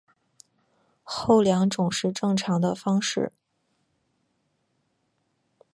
后两种是正常的方式。